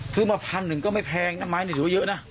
ซื้อมาพันหนึ่งก็ไม่แพงน้ำไม้เนี่ยหรือเยอะน่ะ